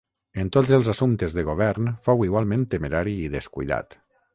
En tots els assumptes de govern fou igualment temerari i descuidat.